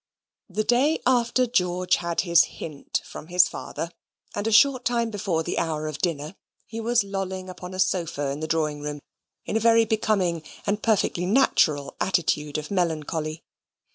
The day after George had his hint from his father, and a short time before the hour of dinner, he was lolling upon a sofa in the drawing room in a very becoming and perfectly natural attitude of melancholy.